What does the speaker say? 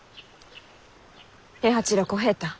平八郎小平太。